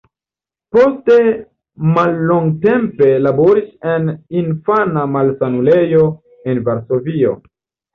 Poste mallongtempe laboris en infana malsanulejo en Varsovio.